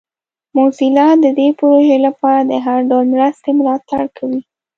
موزیلا د دې پروژې لپاره د هر ډول مرستې ملاتړ کوي.